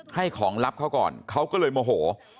ให้ของลับเขาก่อนเขาก็เลยโมโห